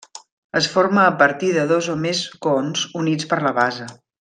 Es forma a partir de dos o més cons units per la base.